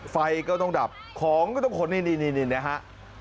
ไฟก็ต้องดับของก็ต้องขนนี่นะฮะ